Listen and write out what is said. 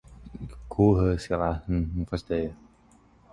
Attempts to question the comatose Mandy about her attacker are futile.